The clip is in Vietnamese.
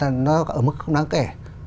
nó ở mức không đáng kể